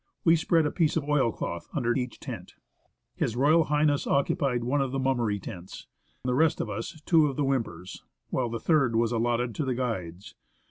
We spread a piece of oilcloth under each tent. H,R. H. occupied one of the Mummery tents ; the rest of us two of the Whympers, while the third was allotted to the guides.